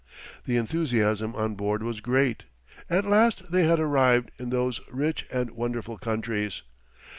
The enthusiasm on board was great. At last they had arrived in those rich and wonderful countries.